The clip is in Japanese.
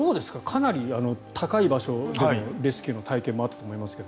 かなり高い場所でのレスキューの体験もあったと思いますが。